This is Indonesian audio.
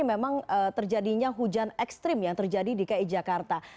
memang terjadinya hujan ekstrim yang terjadi di ki jakarta